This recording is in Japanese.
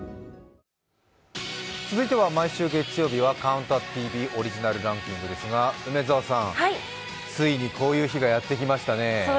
続いては毎週月曜日は「ＣＤＴＶ」オリジナルランキングですが梅澤さん、ついにこういう日がやってきましたね。